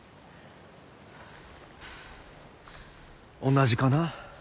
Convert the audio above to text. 同じかな。